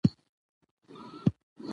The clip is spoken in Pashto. سړي سمدستي کلا ته کړ دننه